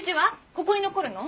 ここに残るの？